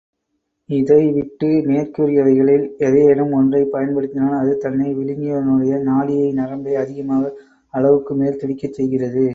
இதைவிட்டு மேற்கூறியவைகளில் எதையேனும் ஒன்றைப் பயன்படுத்தினால், அது தன்னை விழுங்கியவனுடைய நாடியை, நரம்பை அதிகமாக அளவுக்குமேல் துடிக்கச் செய்கிறது.